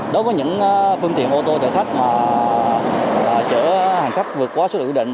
đối với những phương tiện ô tô chở khách chở hàng khách vượt quá số lượng quy định